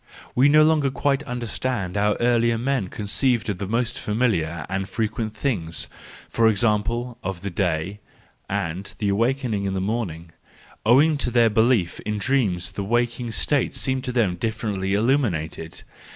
We no longer quite understand how earlier men conceived of the most familiar and frequent things,—for example, of the day, and the awakening in the morning: owing to their belief in dreams the waking state seemed to them differently illuminated.